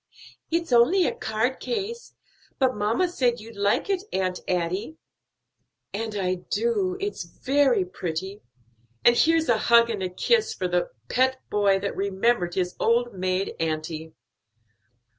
"It's only a card case; but mamma said you'd like it, Aunt Adie." "And I do; it's very pretty. And here's a hug and a kiss for the pet boy that remembered his old maid auntie."